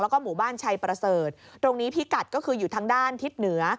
แล้วก็หมู่บ้านชัยประเสริฐตรงนี้พิกัดก็คืออยู่ทางด้านทิศเหนือ